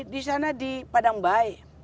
di sana di padangbaik